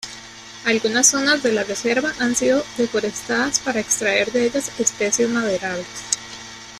Algunas zonas de la reserva han sido deforestadas para extraer de ellas especies maderables.